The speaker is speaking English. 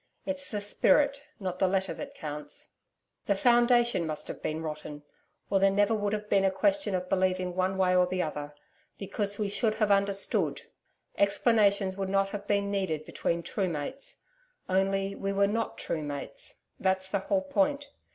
It's the spirit, not the letter that counts. The foundation must have been rotten, or there never would have been a question of believing one way or the other because we should have UNDERSTOOD. Explanations would not have been needed between true mates. Only we were not true mates that's the whole point.